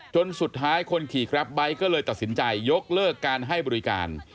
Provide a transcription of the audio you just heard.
จนสุดท้ายคนขี่แกรปไบท์ก็เลยตัดสินใจยกเลิกการให้บริการ